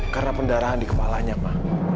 karena pendarahan di kepalanya ma